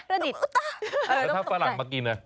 อุ๊ต๊ะอุ๊ต๊ะแล้วถ้าฝรั่งมากิน